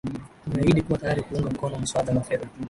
tumeahidi kuwa tayari kuunga mkono muswada wa fedha